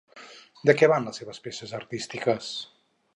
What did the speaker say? De què van les seves peces artístiques?